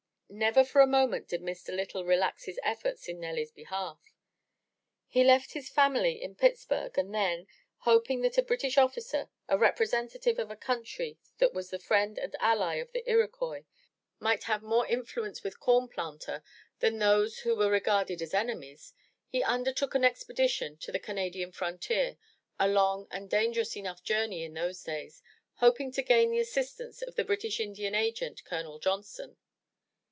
Never for a moment did Mr. Lytle relax his efforts in Nelly's behalf. He left his family in Pittsburg, and then, hoping that a British officer, as representative of a country that was the friend and ally of the Iroquois, might have more influence with Corn Planter than those who were regarded as enemies, he under took an expedition to the Canadian frontier, a long and dangerous enough journey in those days, hoping to gain the assistance of the British Indian Agent, Colonel Johnson.